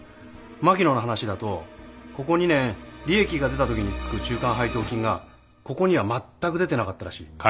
牧野の話だとここ２年利益が出た時に付く中間配当金がここにはまったく出てなかったらしい。